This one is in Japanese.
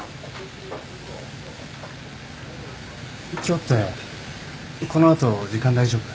今日ってこの後時間大丈夫？